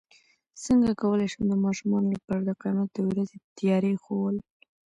څنګه کولی شم د ماشومانو لپاره د قیامت د ورځې تیاري ښوول